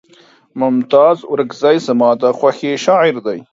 ممتاز اورکزے زما د خوښې شاعر دے